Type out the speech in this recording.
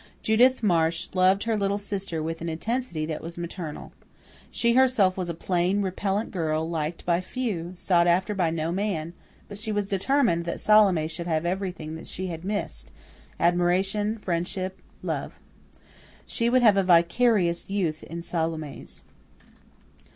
Judith Marsh loved her little sister with an intensity that was maternal. She herself was a plain, repellent girl, liked by few, sought after by no man; but she was determined that Salome should have everything that she had missed admiration, friendship, love. She would have a vicarious youth in Salome's.